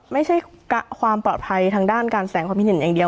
ไม่ใช่ความปลอดภัยทางด้านการแสงความคิดเห็นอย่างเดียว